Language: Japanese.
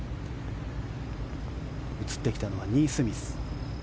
映ってきたのはニースミス。